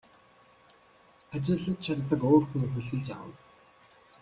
Ажиллаж чаддаг өөр хүн хөлсөлж авна.